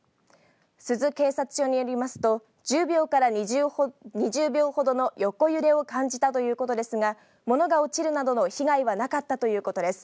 珠洲警察署によりますと１０秒から２０秒ほどの横揺れを感じたということですが物が落ちるなどの被害はなかったということです。